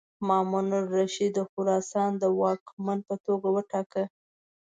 مامون الرشید د خراسان د واکمن په توګه وټاکه.